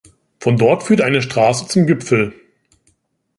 Von dort führt eine Straße zum Gipfel.